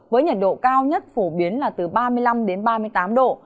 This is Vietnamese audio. với nhiệt độ cao nhất phổ biến là từ ba mươi năm đến ba mươi tám độ